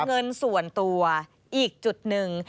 เงินส่วนตัวอีกจุดหนึ่ง